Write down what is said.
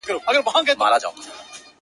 o ما په لفظو کي بند پر بند ونغاړه ـ